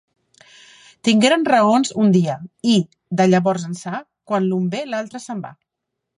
Tingueren raons un dia i, de llavors ençà, quan l'un ve, l'altre se'n va.